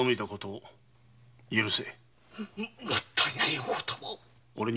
もったいないお言葉を。